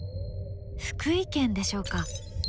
福井県でしょうか？